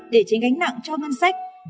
để tránh gánh nặng cho ngân sách